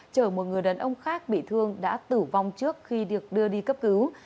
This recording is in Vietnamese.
chở một người đàn ông khác bị thương đã tử vong trước khi được đưa đi cấp cứu